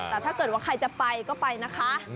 แต่ถ้าเกิดว่าใครจะไปก็ไปนะคะ